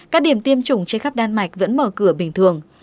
các điểm tiêm chủng trên khắp đan mạch vẫn mở cửa bình thường